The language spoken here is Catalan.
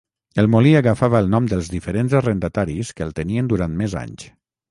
El molí agafava el nom dels diferents arrendataris que el tenien durant més anys.